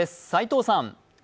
齋藤さん。